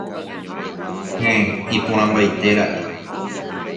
Heẽ... iporãmbaite ra'e.